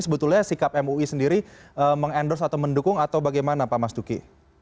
sebetulnya sikap mui sendiri mengendorse atau mendukung atau bagaimana pak mas duki